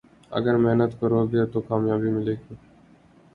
اگر محنت کرو گے تو کامیابی ملے گی